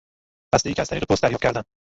بستهای که از طریق پست دریافت کردم